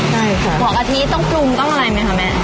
หัวกะทิต้องปรุงต้องอะไรมั้ยคะแม่